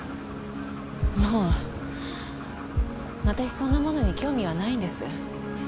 もう私そんなものに興味はないんです。